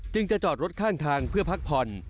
จึงจะจอดรถข้างทางเพื่อพักพล